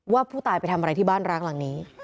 ว่าผู้ตายไปทำอะไรที่บ้านร้างหลังนี้